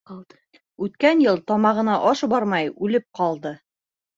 Үткән йыл тамағына аш бармай үлеп ҡалды.